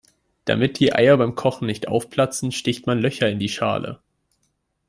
Damit die Eier beim Kochen nicht aufplatzen, sticht man Löcher in die Schale.